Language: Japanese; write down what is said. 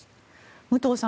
武藤さん